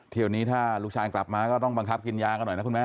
เที่ยวนี้ถ้าลูกชายกลับมาก็ต้องบังคับกินยากันหน่อยนะคุณแม่